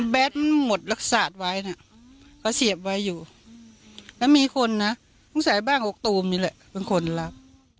แดดมันหมดรักษาไว้นะเขาเสียบไว้อยู่แล้วมีคนนะสงสัยบ้างอกตูมนี่แหละเป็นคนรับ